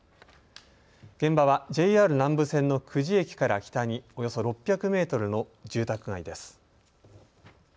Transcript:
現場は、ＪＲ南武線の久地駅から北におよそ６００メートルの住宅街です。